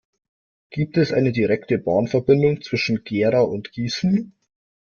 Gibt es eine direkte Bahnverbindung zwischen Gera und Gießen?